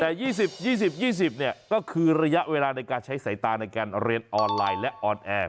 แต่๒๐๒๐เนี่ยก็คือระยะเวลาในการใช้สายตาในการเรียนออนไลน์และออนแอร์